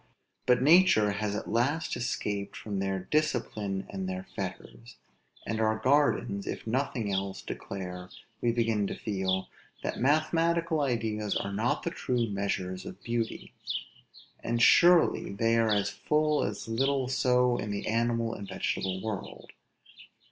But nature has at last escaped from their discipline and their fetters; and our gardens, if nothing else, declare, we begin to feel that mathematical ideas are not the true measures of beauty. And surely they are full as little so in the animal as the vegetable world.